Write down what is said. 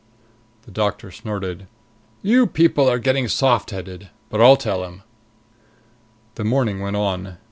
The doctor snorted. "You people are getting soft headed! But I'll tell him." The morning went on.